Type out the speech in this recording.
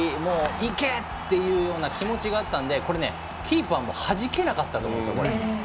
行け！というような気持ちがあったのでこれね、キーパーもはじけなかったと思うんですよ。